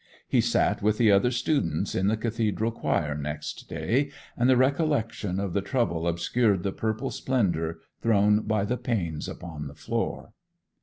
He sat with the other students in the cathedral choir next day; and the recollection of the trouble obscured the purple splendour thrown by the panes upon the floor.